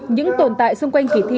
những tồn tại xung quanh kỳ thi